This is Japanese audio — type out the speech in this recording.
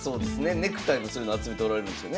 ネクタイもそういうの集めておられるんですよね。